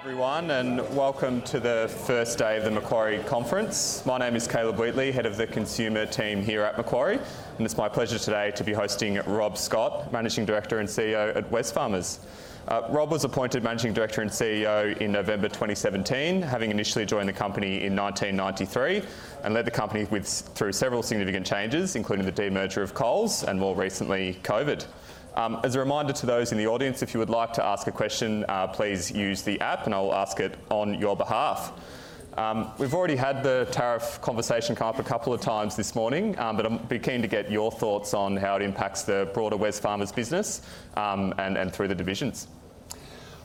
Everyone, and welcome to the first day of the Macquarie Conference. My name is Caleb Wheatley, Head of the Consumer Team here at Macquarie, and it's my pleasure today to be hosting Rob Scott, Managing Director and CEO at Wesfarmers. Rob was appointed Managing Director and CEO in November 2017, having initially joined the company in 1993, and led the company through several significant changes, including the demerger of Coles and, more recently, COVID. As a reminder to those in the audience, if you would like to ask a question, please use the app, and I'll ask it on your behalf. We've already had the tariff conversation come up a couple of times this morning, but I'll be keen to get your thoughts on how it impacts the broader Wesfarmers business and through the divisions.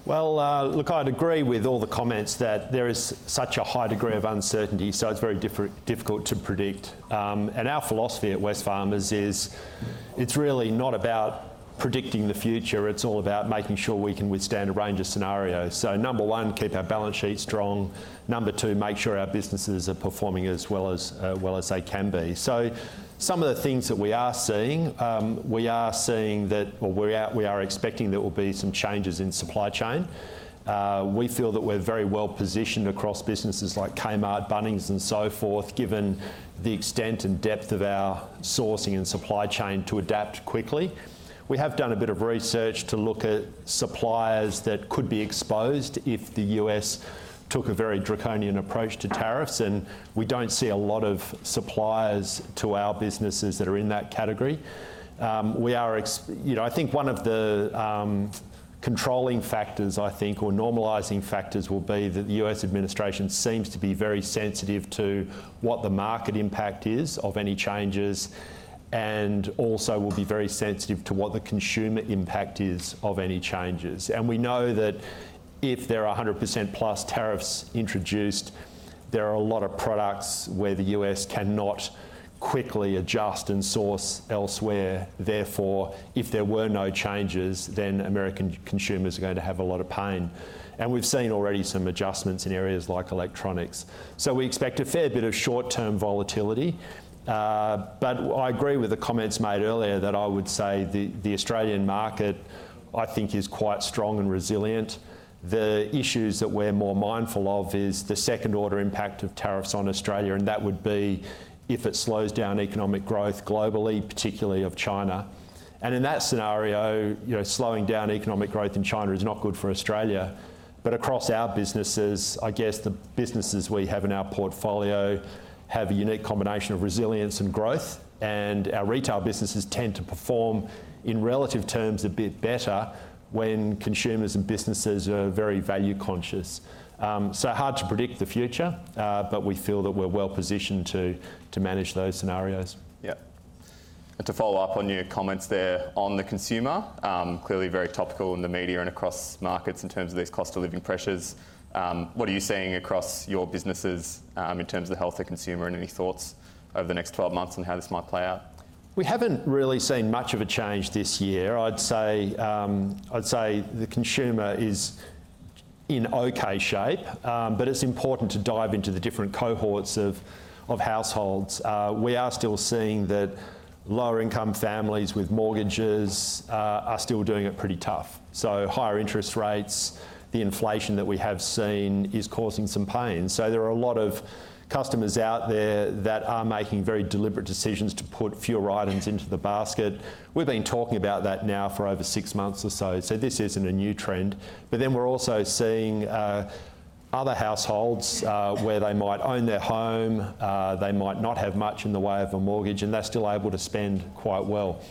I would agree with all the comments that there is such a high degree of uncertainty, so it is very difficult to predict. Our philosophy at Wesfarmers is it is really not about predicting the future; it is all about making sure we can withstand a range of scenarios. Number one, keep our balance sheet strong. Number two, make sure our businesses are performing as well as they can be. Some of the things that we are seeing, we are seeing that, or we are expecting there will be some changes in supply chain. We feel that we are very well positioned across businesses like Kmart, Bunnings, and so forth, given the extent and depth of our sourcing and supply chain to adapt quickly. We have done a bit of research to look at suppliers that could be exposed if the U.S. took a very draconian approach to tariffs, and we do not see a lot of suppliers to our businesses that are in that category. We are, you know, I think one of the controlling factors, I think, or normalizing factors will be that the U.S. administration seems to be very sensitive to what the market impact is of any changes, and also will be very sensitive to what the consumer impact is of any changes. We know that if there are 100%+ tariffs introduced, there are a lot of products where the U.S. cannot quickly adjust and source elsewhere. Therefore, if there were no changes, American consumers are going to have a lot of pain. We have seen already some adjustments in areas like electronics. We expect a fair bit of short-term volatility. I agree with the comments made earlier that I would say the Australian market, I think, is quite strong and resilient. The issues that we're more mindful of is the second-order impact of tariffs on Australia, and that would be if it slows down economic growth globally, particularly of China. In that scenario, you know, slowing down economic growth in China is not good for Australia. Across our businesses, I guess the businesses we have in our portfolio have a unique combination of resilience and growth, and our retail businesses tend to perform in relative terms a bit better when consumers and businesses are very value-conscious. Hard to predict the future, but we feel that we're well positioned to manage those scenarios. Yeah. To follow up on your comments there on the consumer, clearly very topical in the media and across markets in terms of these cost of living pressures, what are you seeing across your businesses in terms of the health of consumer and any thoughts over the next 12 months on how this might play out? We haven't really seen much of a change this year. I'd say the consumer is in okay shape, but it's important to dive into the different cohorts of households. We are still seeing that lower-income families with mortgages are still doing it pretty tough. Higher interest rates, the inflation that we have seen is causing some pain. There are a lot of customers out there that are making very deliberate decisions to put fewer items into the basket. We've been talking about that now for over six months or so, so this isn't a new trend. We are also seeing other households where they might own their home, they might not have much in the way of a mortgage, and they're still able to spend quite well.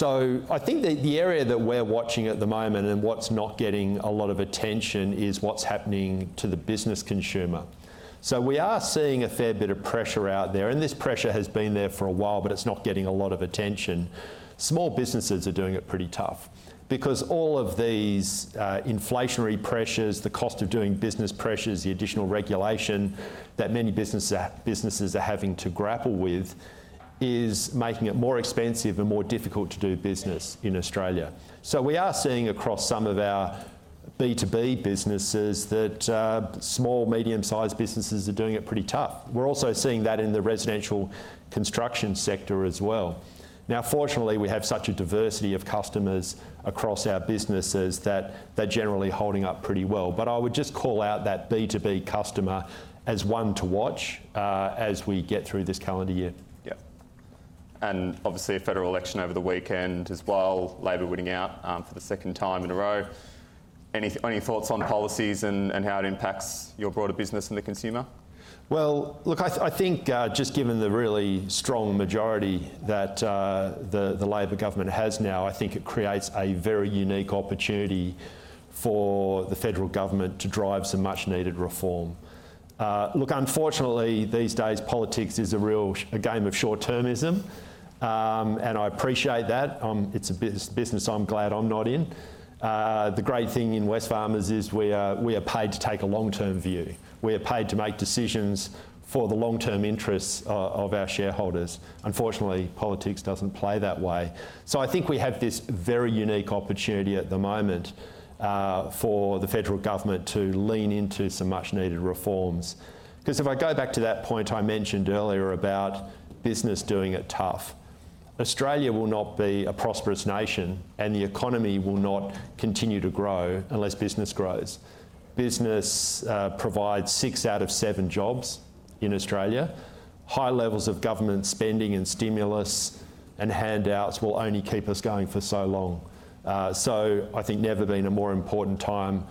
I think the area that we're watching at the moment and what's not getting a lot of attention is what's happening to the business consumer. We are seeing a fair bit of pressure out there, and this pressure has been there for a while, but it's not getting a lot of attention. Small businesses are doing it pretty tough because all of these inflationary pressures, the cost of doing business pressures, the additional regulation that many businesses are having to grapple with is making it more expensive and more difficult to do business in Australia. We are seeing across some of our B2B businesses that small, medium-sized businesses are doing it pretty tough. We're also seeing that in the residential construction sector as well. Fortunately, we have such a diversity of customers across our businesses that they're generally holding up pretty well. I would just call out that B2B customer as one to watch as we get through this calendar year. Yeah. Obviously, a federal election over the weekend as well, Labor winning out for the second time in a row. Any thoughts on policies and how it impacts your broader business and the consumer? I think just given the really strong majority that the Labor government has now, I think it creates a very unique opportunity for the federal government to drive some much-needed reform. Look, unfortunately, these days, politics is a real game of short-termism, and I appreciate that. It's a business I'm glad I'm not in. The great thing in Wesfarmers is we are paid to take a long-term view. We are paid to make decisions for the long-term interests of our shareholders. Unfortunately, politics doesn't play that way. I think we have this very unique opportunity at the moment for the federal government to lean into some much-needed reforms. Because if I go back to that point I mentioned earlier about business doing it tough, Australia will not be a prosperous nation, and the economy will not continue to grow unless business grows. Business provides six out of seven jobs in Australia. High levels of government spending and stimulus and handouts will only keep us going for so long. I think there has never been a more important time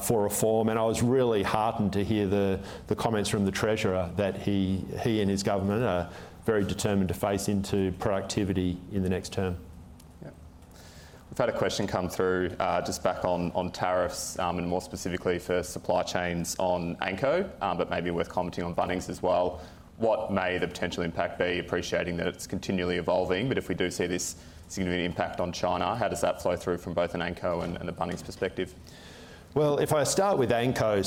for reform, and I was really heartened to hear the comments from the treasurer that he and his government are very determined to phase into productivity in the next term. Yeah. We've had a question come through just back on tariffs and more specifically for supply chains on Anko, but maybe worth commenting on Bunnings as well. What may the potential impact be, appreciating that it's continually evolving, but if we do see this significant impact on China, how does that flow through from both an Anko and a Bunnings perspective? If I start with Anko,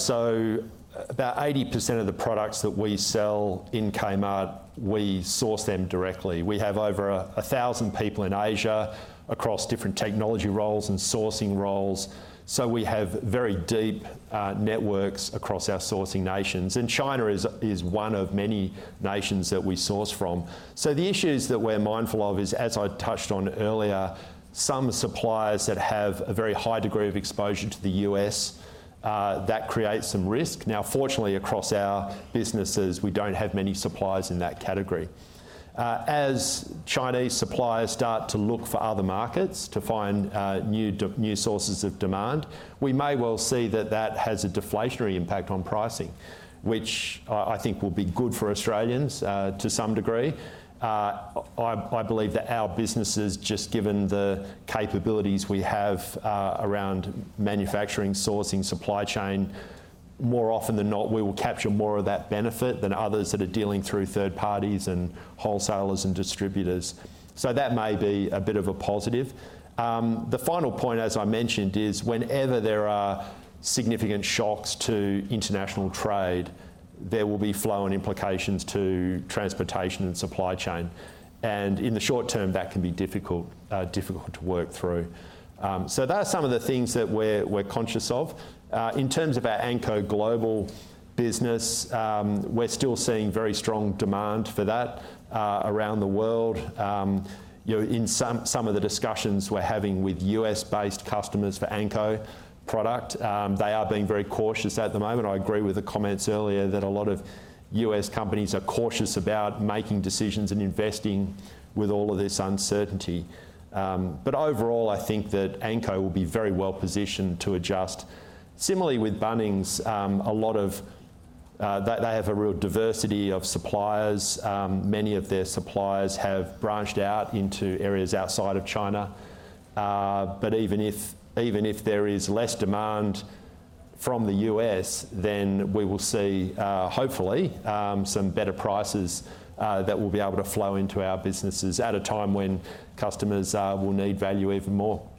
about 80% of the products that we sell in Kmart, we source them directly. We have over 1,000 people in Asia across different technology roles and sourcing roles. We have very deep networks across our sourcing nations, and China is one of many nations that we source from. The issues that we're mindful of are, as I touched on earlier, some suppliers that have a very high degree of exposure to the U.S., that creates some risk. Now, fortunately, across our businesses, we do not have many suppliers in that category. As Chinese suppliers start to look for other markets to find new sources of demand, we may well see that that has a deflationary impact on pricing, which I think will be good for Australians to some degree. I believe that our businesses, just given the capabilities we have around manufacturing, sourcing, supply chain, more often than not, we will capture more of that benefit than others that are dealing through third parties and wholesalers and distributors. That may be a bit of a positive. The final point, as I mentioned, is whenever there are significant shocks to international trade, there will be flow and implications to transportation and supply chain. In the short term, that can be difficult to work through. That is some of the things that we're conscious of. In terms of our Anko global business, we're still seeing very strong demand for that around the world. You know, in some of the discussions we're having with U.S.-based customers for Anko product, they are being very cautious at the moment. I agree with the comments earlier that a lot of U.S. companies are cautious about making decisions and investing with all of this uncertainty. Overall, I think that Anko will be very well positioned to adjust. Similarly, with Bunnings, they have a real diversity of suppliers. Many of their suppliers have branched out into areas outside of China. Even if there is less demand from the U.S., we will see, hopefully, some better prices that will be able to flow into our businesses at a time when customers will need value even more.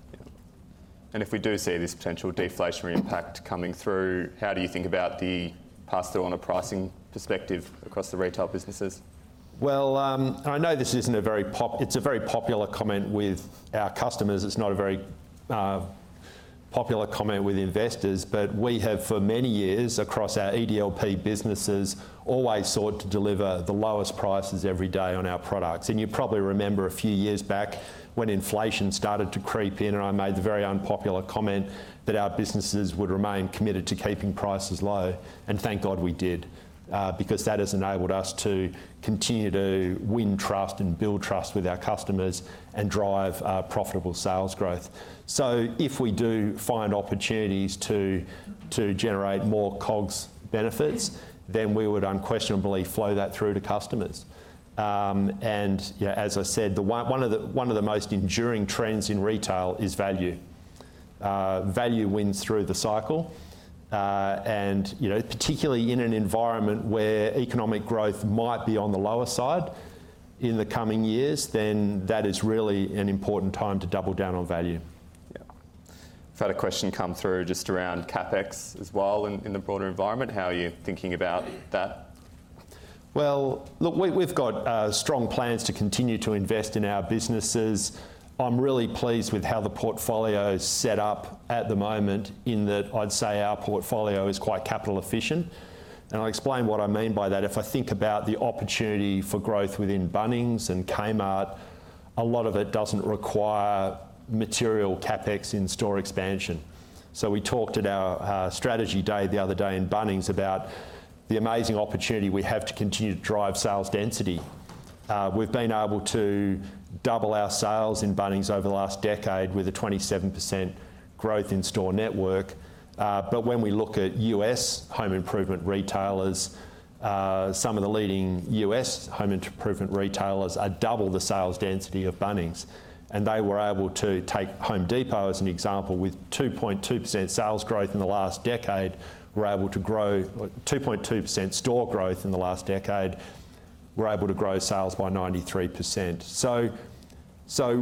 Yeah. If we do see this potential deflationary impact coming through, how do you think about the pass-through on a pricing perspective across the retail businesses? I know this isn't a very popular comment with our customers. It's not a very popular comment with investors, but we have for many years across our EDLP businesses always sought to deliver the lowest prices every day on our products. You probably remember a few years back when inflation started to creep in, and I made the very unpopular comment that our businesses would remain committed to keeping prices low. Thank God we did, because that has enabled us to continue to win trust and build trust with our customers and drive profitable sales growth. If we do find opportunities to generate more COGS benefits, then we would unquestionably flow that through to customers. You know, as I said, one of the most enduring trends in retail is value. Value wins through the cycle. You know, particularly in an environment where economic growth might be on the lower side in the coming years, that is really an important time to double down on value. Yeah. I've had a question come through just around CapEx as well in the broader environment. How are you thinking about that? Look, we've got strong plans to continue to invest in our businesses. I'm really pleased with how the portfolio is set up at the moment in that I'd say our portfolio is quite capital efficient. I'll explain what I mean by that. If I think about the opportunity for growth within Bunnings and Kmart, a lot of it doesn't require material CapEx in store expansion. We talked at our strategy day the other day in Bunnings about the amazing opportunity we have to continue to drive sales density. We've been able to double our sales in Bunnings over the last decade with a 27% growth in store network. When we look at U.S. home improvement retailers, some of the leading U.S. home improvement retailers are double the sales density of Bunnings. They were able to take Home Depot as an example with 2.2% sales growth in the last decade, were able to grow 2.2% store growth in the last decade, were able to grow sales by 93%.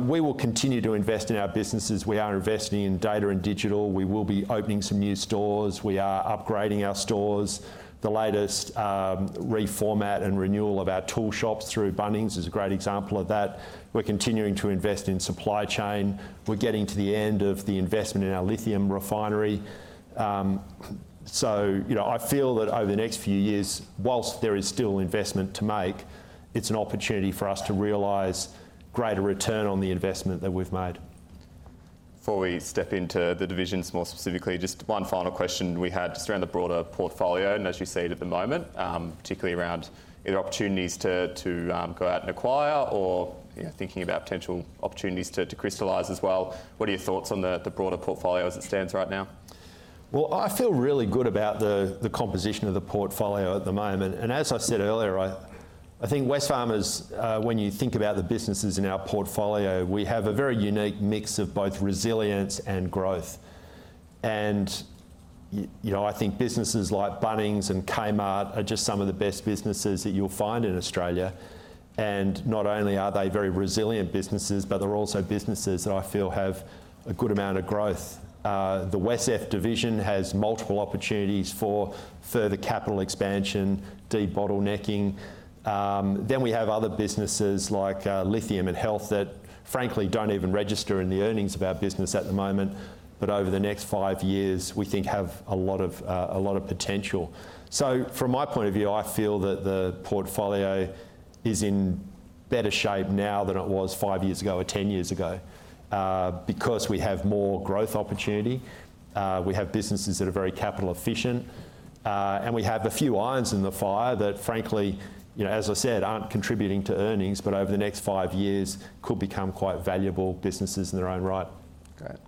We will continue to invest in our businesses. We are investing in data and digital. We will be opening some new stores. We are upgrading our stores. The latest reformat and renewal of our tool shops through Bunnings is a great example of that. We're continuing to invest in supply chain. We're getting to the end of the investment in our lithium refinery. You know, I feel that over the next few years, whilst there is still investment to make, it's an opportunity for us to realize greater return on the investment that we've made. Before we step into the divisions more specifically, just one final question we had just around the broader portfolio and as you see it at the moment, particularly around either opportunities to go out and acquire or thinking about potential opportunities to crystallize as well. What are your thoughts on the broader portfolio as it stands right now? I feel really good about the composition of the portfolio at the moment. As I said earlier, I think Wesfarmers, when you think about the businesses in our portfolio, we have a very unique mix of both resilience and growth. You know, I think businesses like Bunnings and Kmart are just some of the best businesses that you'll find in Australia. Not only are they very resilient businesses, but they're also businesses that I feel have a good amount of growth. The Wesfarmers division has multiple opportunities for further capital expansion, de-bottlenecking. We have other businesses like lithium and health that, frankly, do not even register in the earnings of our business at the moment, but over the next five years, we think have a lot of potential. From my point of view, I feel that the portfolio is in better shape now than it was five years ago or 10 years ago because we have more growth opportunity. We have businesses that are very capital efficient, and we have a few irons in the fire that, frankly, you know, as I said, aren't contributing to earnings, but over the next five years could become quite valuable businesses in their own right. Great.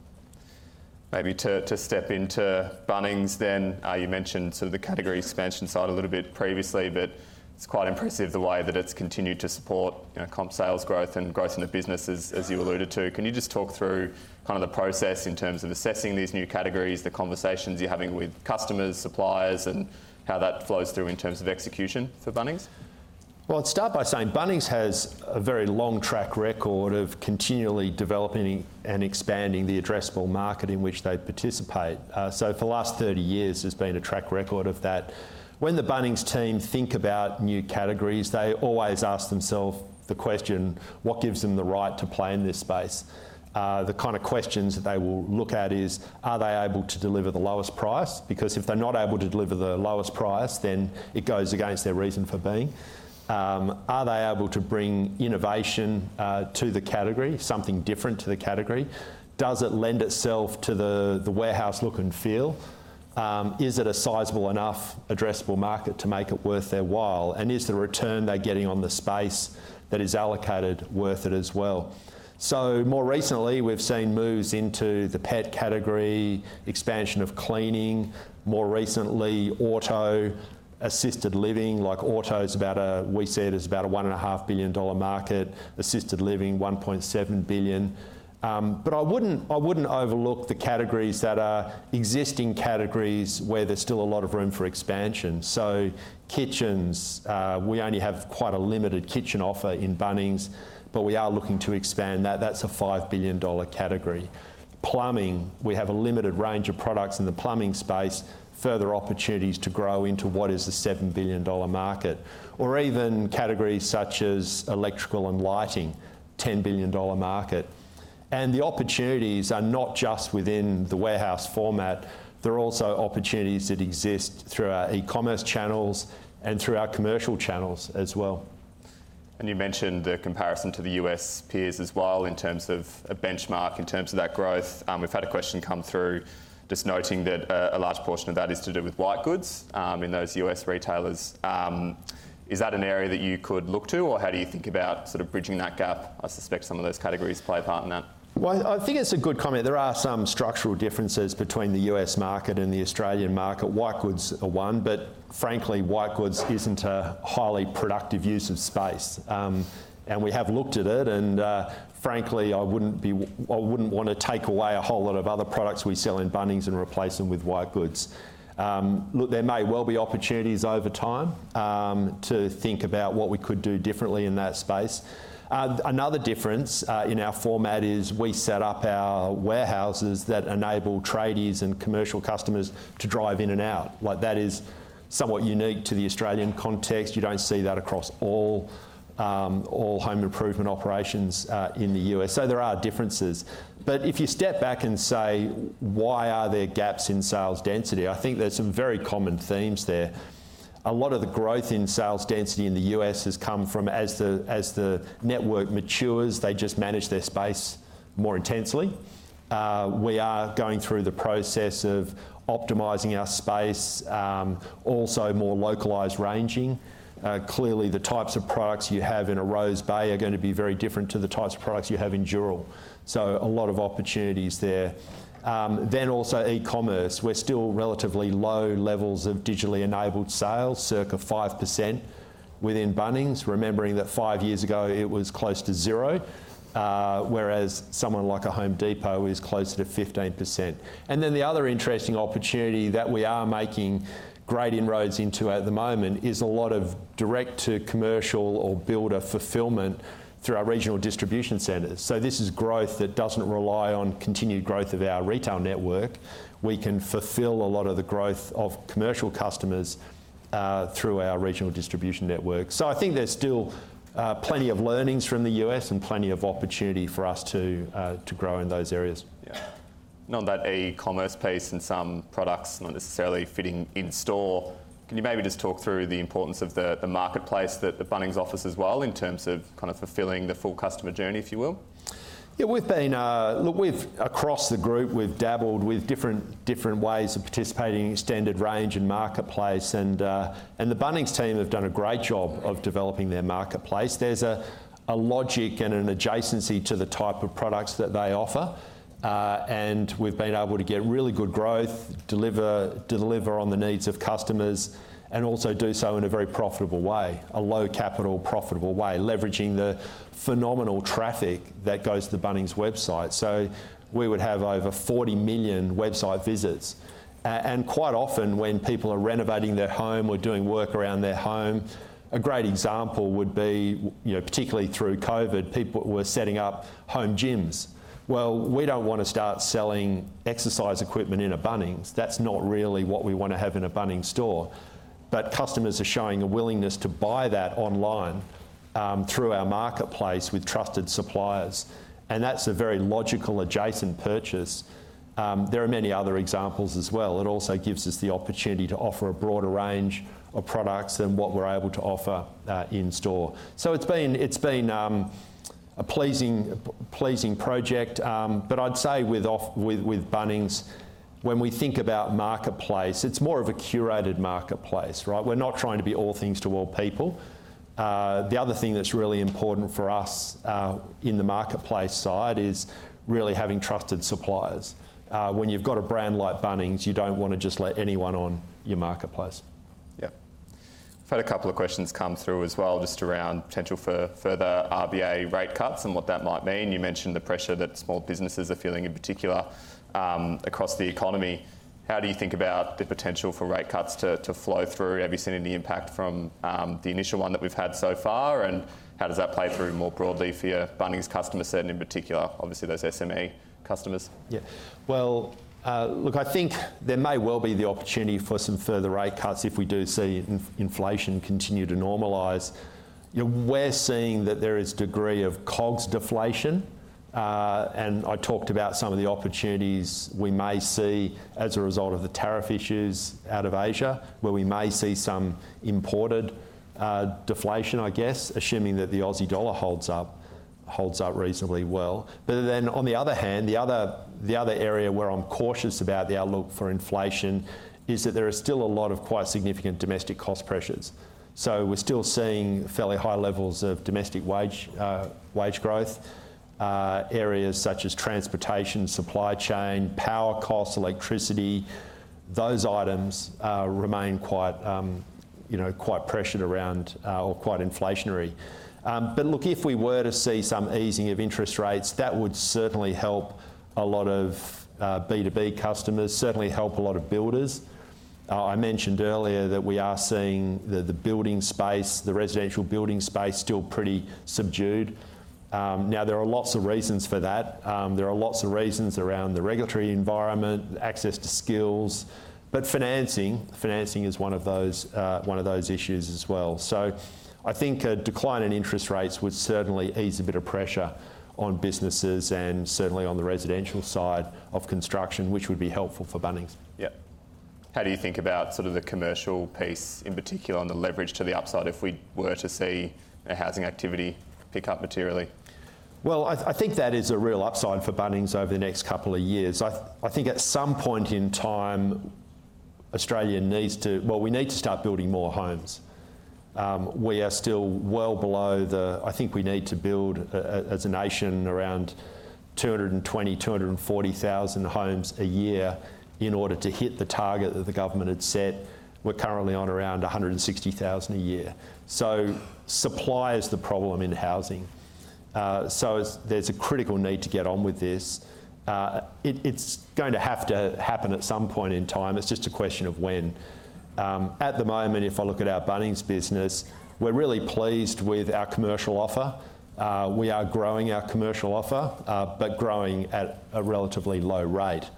Maybe to step into Bunnings then, you mentioned sort of the category expansion side a little bit previously, but it's quite impressive the way that it's continued to support comp sales growth and growth in the businesses, as you alluded to. Can you just talk through kind of the process in terms of assessing these new categories, the conversations you're having with customers, suppliers, and how that flows through in terms of execution for Bunnings? I'd start by saying Bunnings has a very long track record of continually developing and expanding the addressable market in which they participate. For the last 30 years, there's been a track record of that. When the Bunnings team thinks about new categories, they always ask themselves the question, what gives them the right to play in this space? The kind of questions that they will look at is, are they able to deliver the lowest price? Because if they're not able to deliver the lowest price, then it goes against their reason for being. Are they able to bring innovation to the category, something different to the category? Does it lend itself to the warehouse look and feel? Is it a sizable enough addressable market to make it worth their while? And is the return they're getting on the space that is allocated worth it as well? More recently, we've seen moves into the pet category, expansion of cleaning, more recently, auto assisted living. Like auto is about a, we said is about a 1.5 billion dollar market, assisted living 1.7 billion. I wouldn't overlook the categories that are existing categories where there's still a lot of room for expansion. Kitchens, we only have quite a limited kitchen offer in Bunnings, but we are looking to expand that. That's a 5 billion dollar category. Plumbing, we have a limited range of products in the plumbing space, further opportunities to grow into what is the 7 billion dollar market, or even categories such as electrical and lighting, 10 billion dollar market. The opportunities are not just within the warehouse format. There are also opportunities that exist through our e-commerce channels and through our commercial channels as well. You mentioned the comparison to the U.S. peers as well in terms of a benchmark, in terms of that growth. We've had a question come through just noting that a large portion of that is to do with white goods in those U.S. retailers. Is that an area that you could look to, or how do you think about sort of bridging that gap? I suspect some of those categories play a part in that. I think it's a good comment. There are some structural differences between the U.S. market and the Australian market. White goods are one, but frankly, white goods isn't a highly productive use of space. We have looked at it, and frankly, I wouldn't want to take away a whole lot of other products we sell in Bunnings and replace them with white goods. There may well be opportunities over time to think about what we could do differently in that space. Another difference in our format is we set up our warehouses that enable tradies and commercial customers to drive in and out. That is somewhat unique to the Australian context. You don't see that across all home improvement operations in the U.S. There are differences. If you step back and say, why are there gaps in sales density? I think there's some very common themes there. A lot of the growth in sales density in the U.S. has come from as the network matures, they just manage their space more intensely. We are going through the process of optimizing our space, also more localized ranging. Clearly, the types of products you have in Rose Bay are going to be very different to the types of products you have in Dural. A lot of opportunities there. Also, e-commerce, we're still relatively low levels of digitally enabled sales, circa 5% within Bunnings, remembering that five years ago it was close to zero, whereas someone like Home Depot is closer to 15%. The other interesting opportunity that we are making great inroads into at the moment is a lot of direct-to-commercial or builder fulfillment through our regional distribution centers. This is growth that doesn't rely on continued growth of our retail network. We can fulfill a lot of the growth of commercial customers through our regional distribution network. I think there's still plenty of learnings from the U.S. and plenty of opportunity for us to grow in those areas. Yeah. Known that e-commerce pace and some products not necessarily fitting in store. Can you maybe just talk through the importance of the marketplace that Bunnings offers as well in terms of kind of fulfilling the full customer journey, if you will? Yeah, we've been, look, we've across the group, we've dabbled with different ways of participating in extended range and marketplace. The Bunnings team have done a great job of developing their marketplace. There's a logic and an adjacency to the type of products that they offer. We've been able to get really good growth, deliver on the needs of customers, and also do so in a very profitable way, a low-capital profitable way, leveraging the phenomenal traffic that goes to the Bunnings website. We would have over 40 million website visits. Quite often when people are renovating their home or doing work around their home, a great example would be, you know, particularly through COVID, people were setting up home gyms. We don't want to start selling exercise equipment in a Bunnings. That's not really what we want to have in a Bunnings store. Customers are showing a willingness to buy that online through our marketplace with trusted suppliers. That is a very logical adjacent purchase. There are many other examples as well. It also gives us the opportunity to offer a broader range of products than what we are able to offer in store. It has been a pleasing project. I would say with Bunnings, when we think about marketplace, it is more of a curated marketplace, right? We are not trying to be all things to all people. The other thing that is really important for us in the marketplace side is really having trusted suppliers. When you have a brand like Bunnings, you do not want to just let anyone on your marketplace. Yeah. I've had a couple of questions come through as well just around potential for further RBA rate cuts and what that might mean. You mentioned the pressure that small businesses are feeling in particular across the economy. How do you think about the potential for rate cuts to flow through? Have you seen any impact from the initial one that we've had so far? How does that play through more broadly for your Bunnings customers, said in particular, obviously those SME customers? Yeah. Look, I think there may well be the opportunity for some further rate cuts if we do see inflation continue to normalize. You know, we're seeing that there is a degree of COGS deflation. I talked about some of the opportunities we may see as a result of the tariff issues out of Asia, where we may see some imported deflation, I guess, assuming that the AUD holds up reasonably well. On the other hand, the other area where I'm cautious about the outlook for inflation is that there are still a lot of quite significant domestic cost pressures. We're still seeing fairly high levels of domestic wage growth. Areas such as transportation, supply chain, power costs, electricity, those items remain quite pressured around or quite inflationary. Look, if we were to see some easing of interest rates, that would certainly help a lot of B2B customers, certainly help a lot of builders. I mentioned earlier that we are seeing the building space, the residential building space still pretty subdued. Now, there are lots of reasons for that. There are lots of reasons around the regulatory environment, access to skills, but financing is one of those issues as well. I think a decline in interest rates would certainly ease a bit of pressure on businesses and certainly on the residential side of construction, which would be helpful for Bunnings. Yeah. How do you think about sort of the commercial piece in particular and the leverage to the upside if we were to see a housing activity pick up materially? I think that is a real upside for Bunnings over the next couple of years. I think at some point in time, Australia needs to, well, we need to start building more homes. We are still well below the, I think we need to build as a nation around 220,000-240,000 homes a year in order to hit the target that the government had set. We are currently on around 160,000 a year. Supply is the problem in housing. There is a critical need to get on with this. It is going to have to happen at some point in time. It is just a question of when. At the moment, if I look at our Bunnings business, we are really pleased with our commercial offer. We are growing our commercial offer, but growing at a relatively low rate.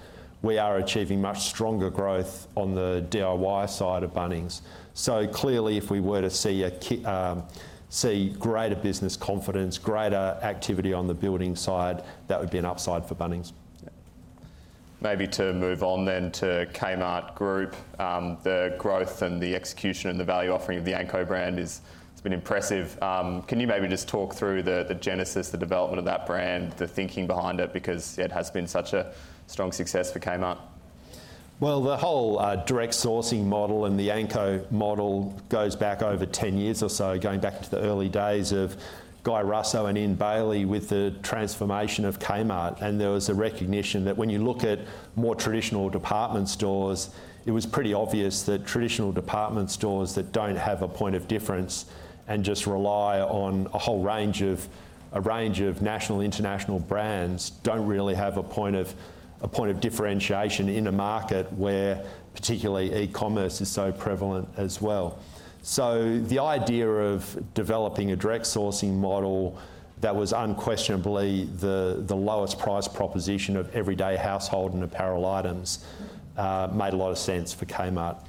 We are achieving much stronger growth on the DIY side of Bunnings. Clearly, if we were to see greater business confidence, greater activity on the building side, that would be an upside for Bunnings. Maybe to move on then to Kmart Group, the growth and the execution and the value offering of the Anko brand has been impressive. Can you maybe just talk through the genesis, the development of that brand, the thinking behind it, because it has been such a strong success for Kmart? The whole direct sourcing model and the Anko model goes back over 10 years or so, going back to the early days of Guy Russo and Ian Bailey with the transformation of Kmart. There was a recognition that when you look at more traditional department stores, it was pretty obvious that traditional department stores that do not have a point of difference and just rely on a whole range of national, international brands do not really have a point of differentiation in a market where particularly e-commerce is so prevalent as well. The idea of developing a direct sourcing model that was unquestionably the lowest price proposition of everyday household and apparel items made a lot of sense for Kmart.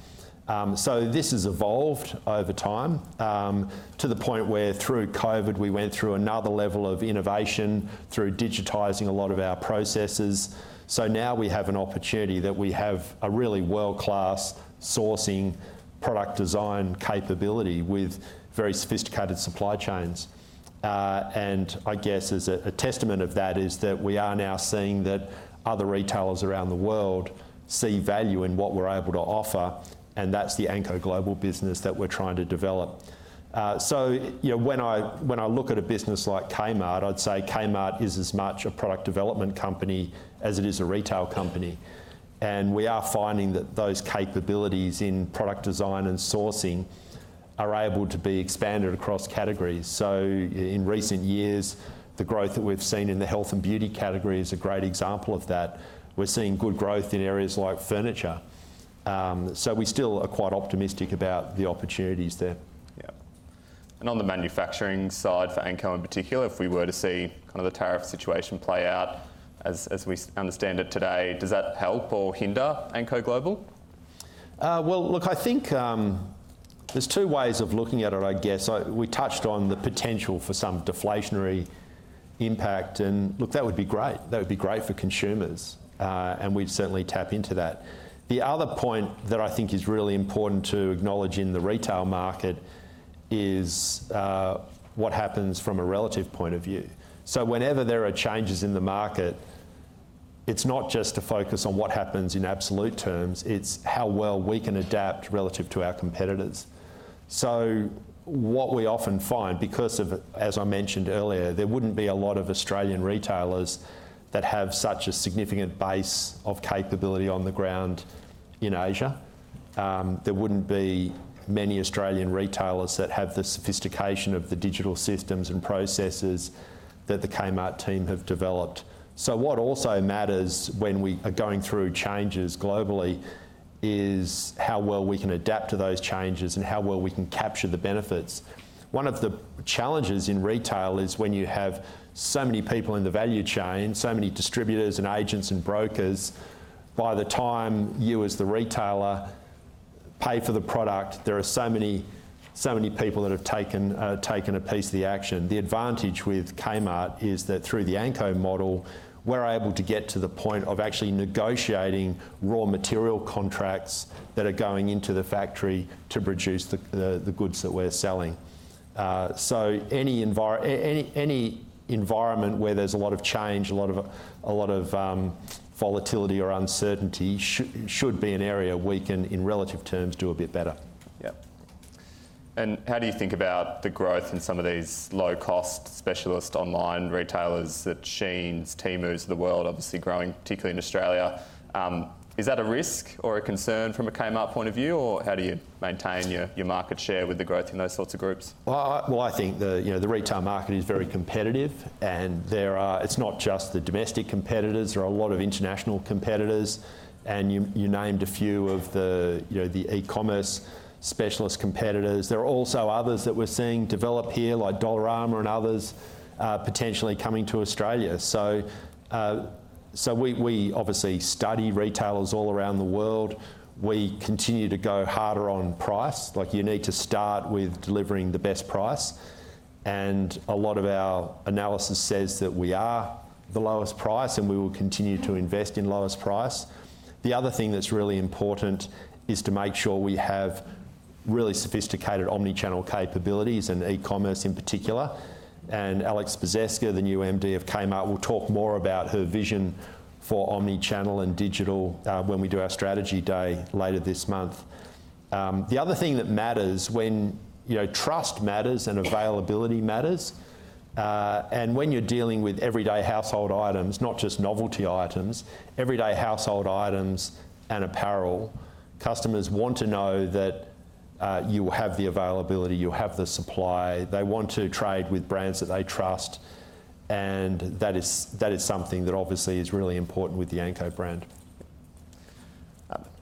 This has evolved over time to the point where through COVID, we went through another level of innovation through digitizing a lot of our processes. Now we have an opportunity that we have a really world-class sourcing product design capability with very sophisticated supply chains. I guess as a testament of that is that we are now seeing that other retailers around the world see value in what we're able to offer. That's the Anko Global business that we're trying to develop. You know, when I look at a business like Kmart, I'd say Kmart is as much a product development company as it is a retail company. We are finding that those capabilities in product design and sourcing are able to be expanded across categories. In recent years, the growth that we've seen in the health and beauty category is a great example of that. We're seeing good growth in areas like furniture. We still are quite optimistic about the opportunities there. Yeah. On the manufacturing side for Anko in particular, if we were to see kind of the tariff situation play out as we understand it today, does that help or hinder Anko Global? I think there's two ways of looking at it, I guess. We touched on the potential for some deflationary impact. That would be great. That would be great for consumers. We'd certainly tap into that. The other point that I think is really important to acknowledge in the retail market is what happens from a relative point of view. Whenever there are changes in the market, it's not just to focus on what happens in absolute terms, it's how well we can adapt relative to our competitors. What we often find, because of, as I mentioned earlier, there wouldn't be a lot of Australian retailers that have such a significant base of capability on the ground in Asia. There wouldn't be many Australian retailers that have the sophistication of the digital systems and processes that the Kmart team have developed. What also matters when we are going through changes globally is how well we can adapt to those changes and how well we can capture the benefits. One of the challenges in retail is when you have so many people in the value chain, so many distributors and agents and brokers, by the time you as the retailer pay for the product, there are so many people that have taken a piece of the action. The advantage with Kmart is that through the Anko model, we're able to get to the point of actually negotiating raw material contracts that are going into the factory to produce the goods that we're selling. Any environment where there's a lot of change, a lot of volatility or uncertainty should be an area we can in relative terms do a bit better. Yeah. How do you think about the growth in some of these low-cost specialist online retailers, the SHEINs, Temus, the world obviously growing, particularly in Australia? Is that a risk or a concern from a Kmart point of view, or how do you maintain your market share with the growth in those sorts of groups? I think the retail market is very competitive. It's not just the domestic competitors. There are a lot of international competitors. You named a few of the e-commerce specialist competitors. There are also others that we're seeing develop here, like Dollarama and others potentially coming to Australia. We obviously study retailers all around the world. We continue to go harder on price. Like, you need to start with delivering the best price. A lot of our analysis says that we are the lowest price, and we will continue to invest in lowest price. The other thing that's really important is to make sure we have really sophisticated omnichannel capabilities and e-commerce in particular. Aleks Spaseska, the new MD of Kmart, will talk more about her vision for omnichannel and digital when we do our strategy day later this month. The other thing that matters when trust matters and availability matters, and when you're dealing with everyday household items, not just novelty items, everyday household items and apparel, customers want to know that you will have the availability, you'll have the supply. They want to trade with brands that they trust. That is something that obviously is really important with the Anko brand.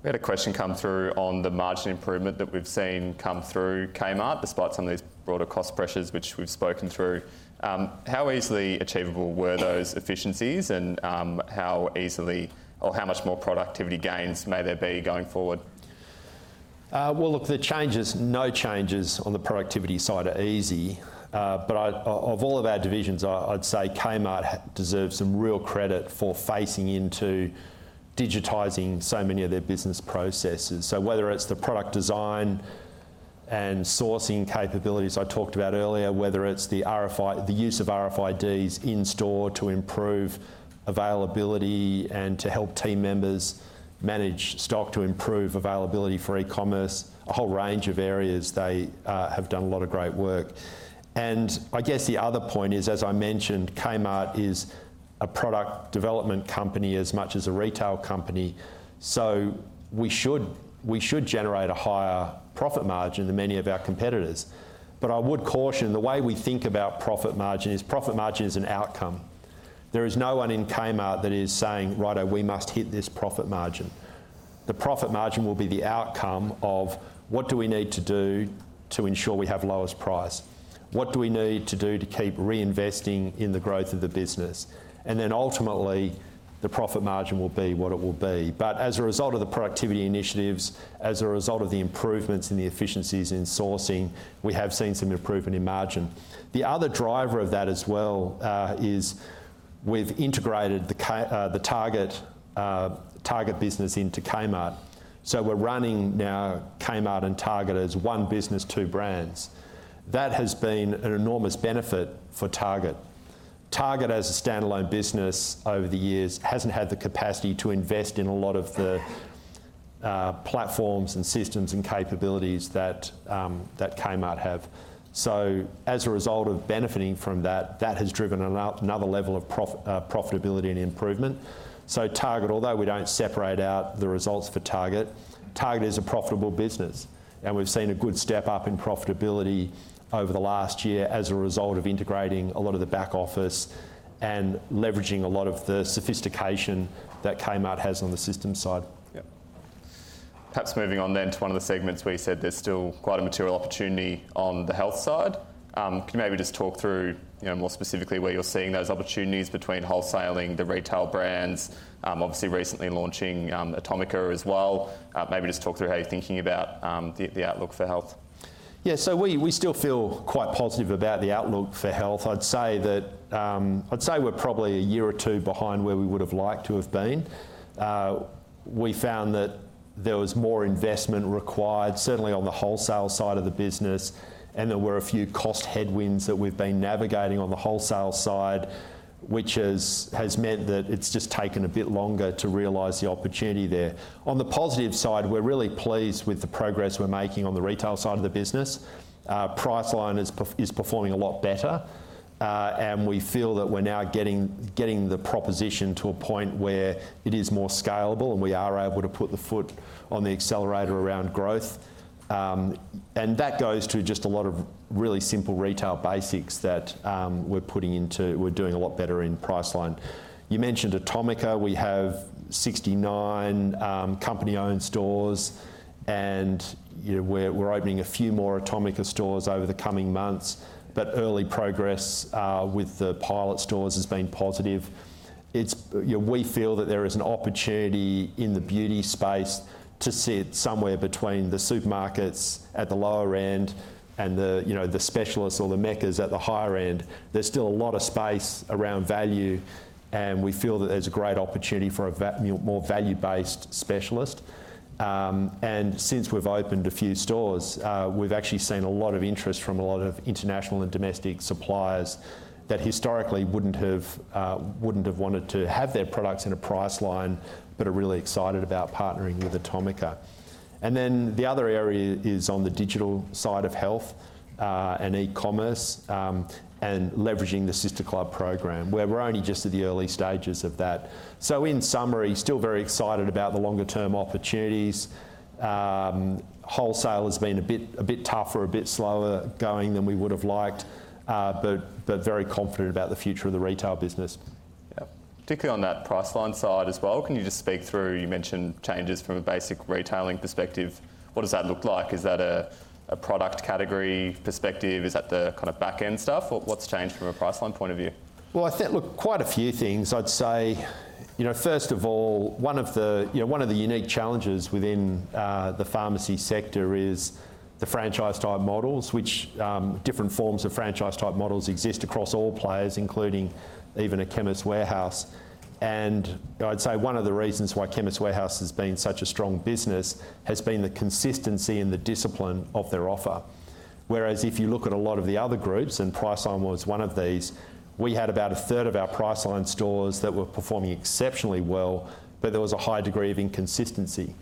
We had a question come through on the margin improvement that we've seen come through Kmart, despite some of these broader cost pressures, which we've spoken through. How easily achievable were those efficiencies, and how easily, or how much more productivity gains may there be going forward? The changes, no changes on the productivity side are easy. Of all of our divisions, I'd say Kmart deserves some real credit for facing into digitizing so many of their business processes. Whether it's the product design and sourcing capabilities I talked about earlier, whether it's the use of RFID in store to improve availability and to help team members manage stock to improve availability for e-commerce, a whole range of areas they have done a lot of great work. I guess the other point is, as I mentioned, Kmart is a product development company as much as a retail company. We should generate a higher profit margin than many of our competitors. I would caution, the way we think about profit margin is profit margin is an outcome. There is no one in Kmart that is saying, right, we must hit this profit margin. The profit margin will be the outcome of what do we need to do to ensure we have lowest price? What do we need to do to keep reinvesting in the growth of the business? Ultimately, the profit margin will be what it will be. As a result of the productivity initiatives, as a result of the improvements in the efficiencies in sourcing, we have seen some improvement in margin. The other driver of that as well is we have integrated the Target business into Kmart. We are running now Kmart and Target as one business, two brands. That has been an enormous benefit for Target. Target, as a standalone business over the years, hasn't had the capacity to invest in a lot of the platforms and systems and capabilities that Kmart have. As a result of benefiting from that, that has driven another level of profitability and improvement. Target, although we don't separate out the results for Target, Target is a profitable business. We've seen a good step up in profitability over the last year as a result of integrating a lot of the back office and leveraging a lot of the sophistication that Kmart has on the system side. Yeah. Perhaps moving on then to one of the segments where you said there's still quite a material opportunity on the health side. Can you maybe just talk through more specifically where you're seeing those opportunities between wholesaling, the retail brands, obviously recently launching atomica as well? Maybe just talk through how you're thinking about the outlook for health. Yeah, we still feel quite positive about the outlook for health. I'd say that we're probably a year or two behind where we would have liked to have been. We found that there was more investment required, certainly on the wholesale side of the business, and there were a few cost headwinds that we've been navigating on the wholesale side, which has meant that it's just taken a bit longer to realize the opportunity there. On the positive side, we're really pleased with the progress we're making on the retail side of the business. Priceline is performing a lot better. We feel that we're now getting the proposition to a point where it is more scalable and we are able to put the foot on the accelerator around growth. That goes to just a lot of really simple retail basics that we're putting into, we're doing a lot better in Priceline. You mentioned atomica, we have 69 company-owned stores, and we're opening a few more atomica stores over the coming months. Early progress with the pilot stores has been positive. We feel that there is an opportunity in the beauty space to sit somewhere between the supermarkets at the lower end and the specialists or the Meccas at the higher end. There is still a lot of space around value, and we feel that there's a great opportunity for a more value-based specialist. Since we've opened a few stores, we've actually seen a lot of interest from a lot of international and domestic suppliers that historically would not have wanted to have their products in a Priceline, but are really excited about partnering with atomica. The other area is on the digital side of health and e-commerce and leveraging the Sister Club program, where we're only just at the early stages of that. In summary, still very excited about the longer-term opportunities. Wholesale has been a bit tougher, a bit slower going than we would have liked, but very confident about the future of the retail business. Yeah. Particularly on that Priceline side as well, can you just speak through, you mentioned changes from a basic retailing perspective. What does that look like? Is that a product category perspective? Is that the kind of back-end stuff? What's changed from a Priceline point of view? I think, look, quite a few things. I'd say, first of all, one of the unique challenges within the pharmacy sector is the franchise-type models, which different forms of franchise-type models exist across all players, including even a Chemist Warehouse. I'd say one of the reasons why Chemist Warehouse has been such a strong business has been the consistency and the discipline of their offer. Whereas if you look at a lot of the other groups, and Priceline was one of these, we had about a third of our Priceline stores that were performing exceptionally well, but there was a high degree of inconsistency.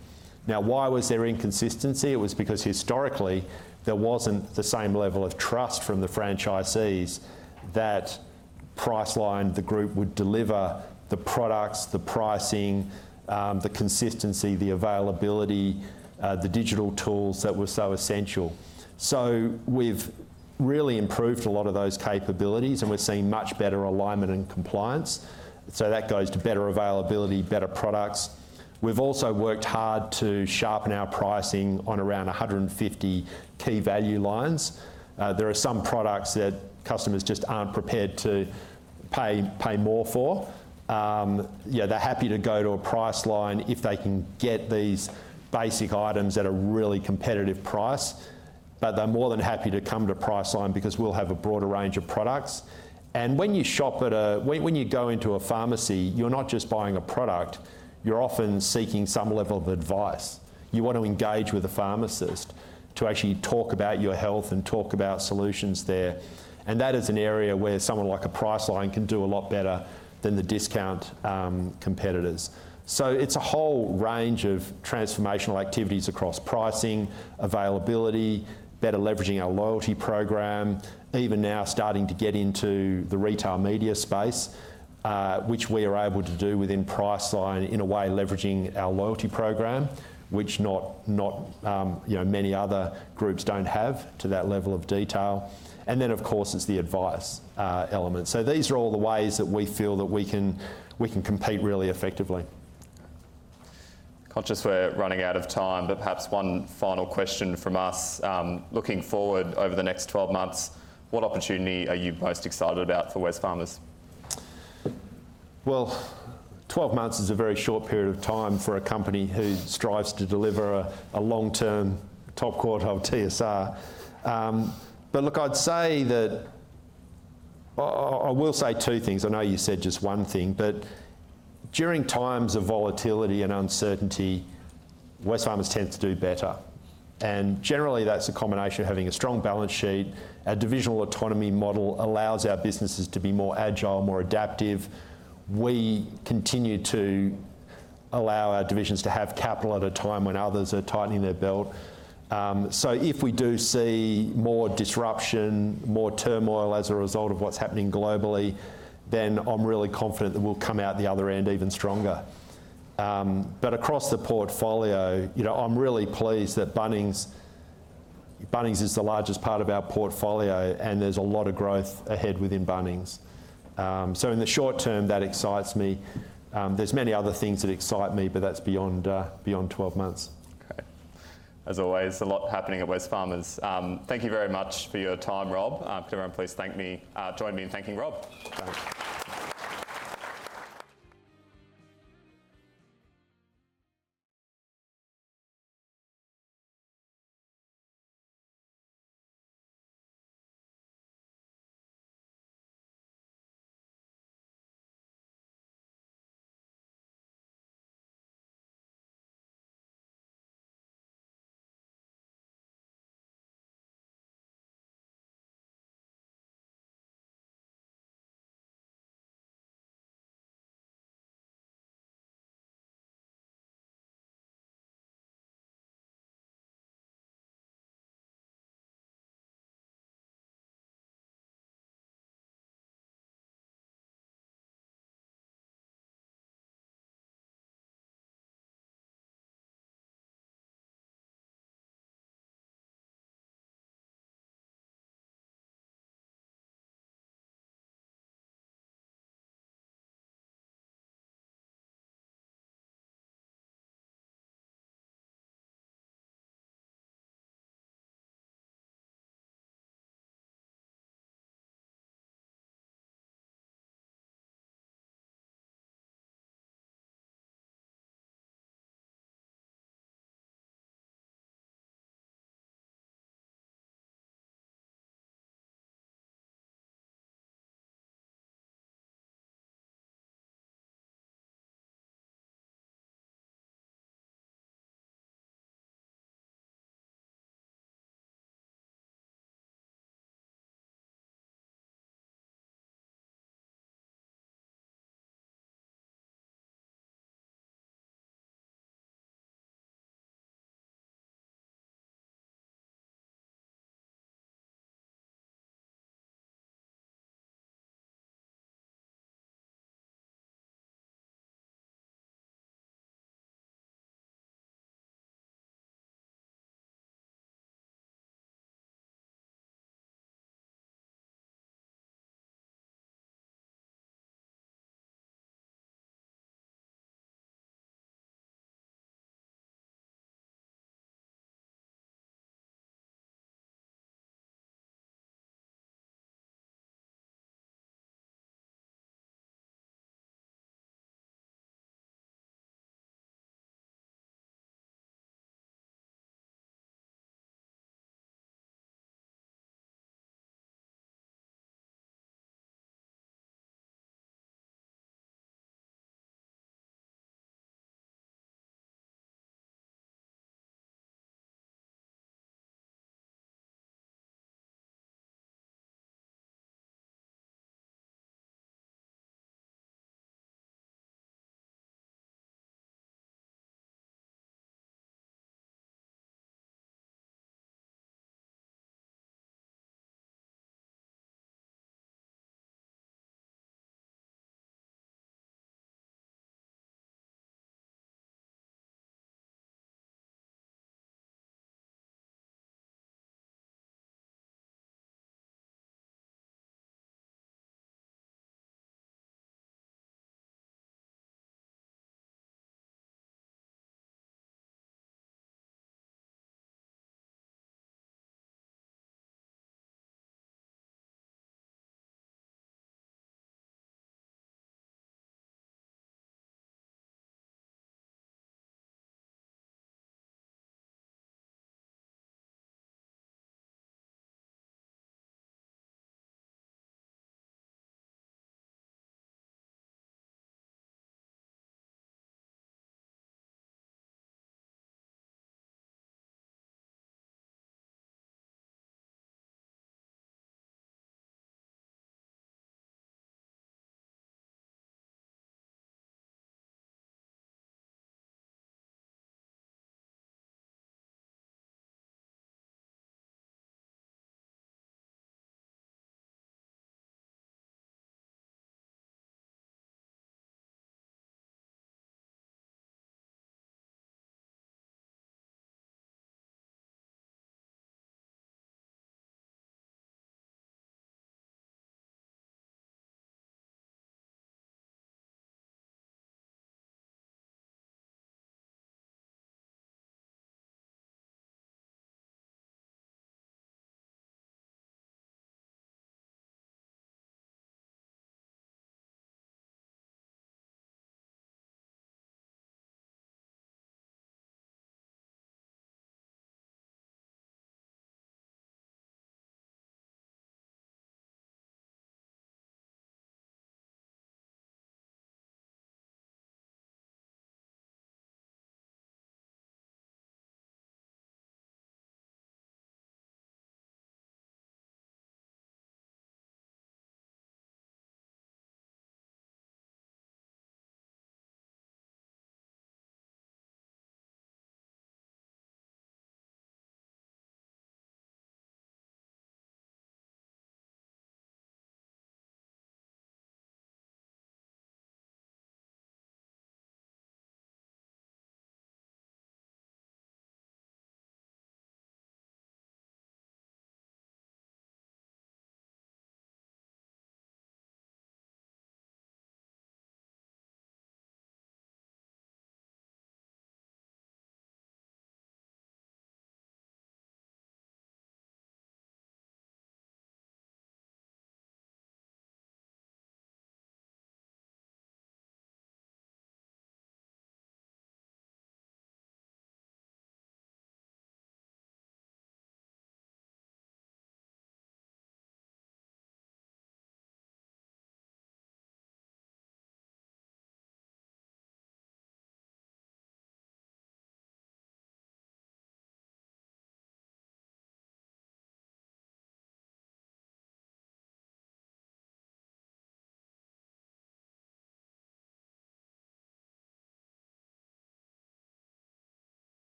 Now, why was there inconsistency? It was because historically, there wasn't the same level of trust from the franchisees that Priceline, the group, would deliver the products, the pricing, the consistency, the availability, the digital tools that were so essential. We've really improved a lot of those capabilities, and we're seeing much better alignment and compliance. That goes to better availability, better products. We've also worked hard to sharpen our pricing on around 150 key value lines. There are some products that customers just aren't prepared to pay more for. They're happy to go to a Priceline if they can get these basic items at a really competitive price, but they're more than happy to come to Priceline because we'll have a broader range of products. When you shop at a, when you go into a pharmacy, you're not just buying a product, you're often seeking some level of advice. You want to engage with a pharmacist to actually talk about your health and talk about solutions there. That is an area where someone like a Priceline can do a lot better than the discount competitors. It's a whole range of transformational activities across pricing, availability, better leveraging our loyalty program, even now starting to get into the retail media space, which we are able to do within Priceline in a way leveraging our loyalty program, which not many other groups have to that level of detail. Of course, it's the advice element. These are all the ways that we feel that we can compete really effectively. Conscious we're running out of time, but perhaps one final question from us. Looking forward over the next 12 months, what opportunity are you most excited about for Wesfarmers? 12 months is a very short period of time for a company who strives to deliver a long-term top quarter of TSR. I will say two things. I know you said just one thing, but during times of volatility and uncertainty, Wesfarmers tends to do better. Generally, that's a combination of having a strong balance sheet. A divisional autonomy model allows our businesses to be more agile, more adaptive. We continue to allow our divisions to have capital at a time when others are tightening their belt. If we do see more disruption, more turmoil as a result of what's happening globally, then I'm really confident that we'll come out the other end even stronger. Across the portfolio, I'm really pleased that Bunnings is the largest part of our portfolio, and there's a lot of growth ahead within Bunnings. In the short term, that excites me. There are many other things that excite me, but that's beyond 12 months. Okay. As always, a lot happening at Wesfarmers. Thank you very much for your time, Rob. Could everyone please join me in thanking Rob? Thanks.